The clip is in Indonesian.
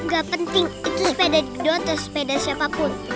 gak penting itu sepeda di kedua atau sepeda siapapun